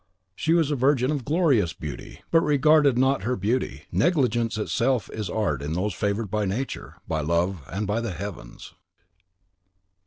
(She was a virgin of a glorious beauty, but regarded not her beauty...Negligence itself is art in those favoured by Nature, by love, and by the heavens.)